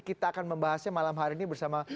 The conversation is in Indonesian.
kita akan membahasnya malam hari ini bersama